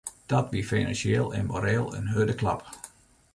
Dat wie finansjeel en moreel in hurde klap.